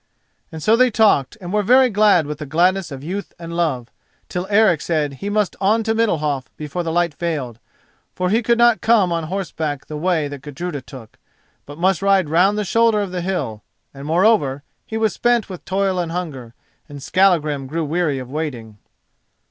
And so they talked and were very glad with the gladness of youth and love, till Eric said he must on to Middalhof before the light failed, for he could not come on horseback the way that Gudruda took, but must ride round the shoulder of the hill; and, moreover, he was spent with toil and hunger, and Skallagrim grew weary of waiting.